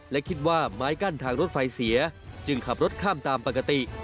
และคิดว่าไม้กั้นทางรถไฟเสียจึงขับรถข้ามตามปกติ